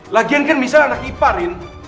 lagian kan misalnya anak ipa rin